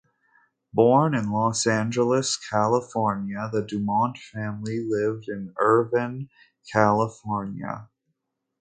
Born in Los Angeles, California, the Dumont family lived in Irvine, California.